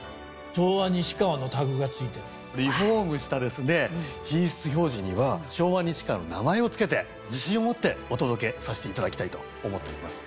さらにリフォームした品質表示には昭和西川の名前を付けて自信を持ってお届けさせていただきたいと思っております。